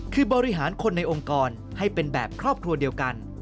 คือบริหารคนในองค์กรให้เป็นแบบครอบครัวเดียวกัน